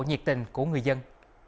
nhiệt tình của người dân